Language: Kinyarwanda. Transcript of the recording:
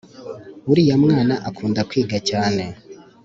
uriya mwana akunda kwiga cyane